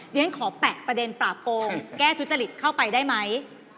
เรียนขอแปะประเด็นปราบโกงแก้ทุจริตเข้าไปได้ไหม